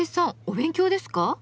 お勉強ですか？